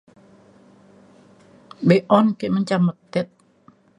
Be’un ke menjam metit.